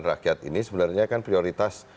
rakyat ini sebenarnya kan prioritas